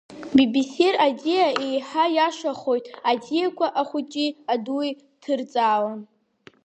Бибесир аӡиа, еиҳа ииашахоит, аӡиақәа ахәыҷи адуи ҭырҵаауан.